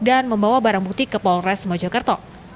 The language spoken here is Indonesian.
dan membawa barang bukti ke polres mojokerto